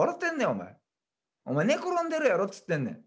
お前寝転んでるやろっつってんねん。